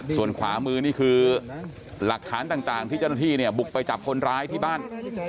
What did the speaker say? ส่วนขวามือนี่คือหลักฐานต่างที่เจ้าหน้าที่เนี่ยบุกไปจับคนร้ายที่บ้าน